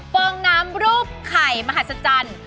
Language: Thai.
ฟองน้ำรูปไข่มหัศจรรย์